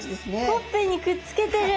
ほっぺにくっつけてる！